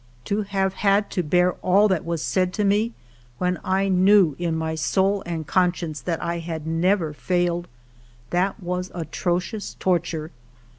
To have had to bear all that was said to me, when I knew in my soul and conscience that I had never failed, — that was atrocious torture.